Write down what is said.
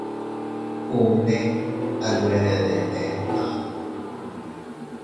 Uune a nwe deden kamu.